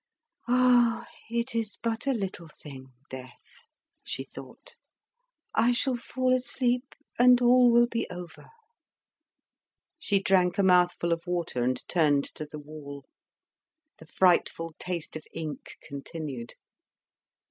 "Ah! it is but a little thing, death!" she thought. "I shall fall asleep and all will be over." She drank a mouthful of water and turned to the wall. The frightful taste of ink continued.